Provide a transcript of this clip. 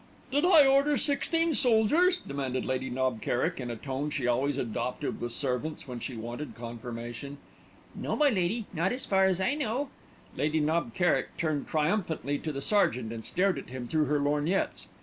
"Did I order sixteen soldiers?" demanded Lady Knob Kerrick in a tone she always adopted with servants when she wanted confirmation. "No, my lady, not as far as I know." Lady Knob Kerrick turned triumphantly to the sergeant, and stared at him through her lorgnettes.